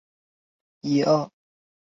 现时任教英甲球会斯肯索普。